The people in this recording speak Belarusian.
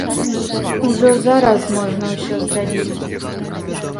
Ужо зараз можна ўсё зрабіць.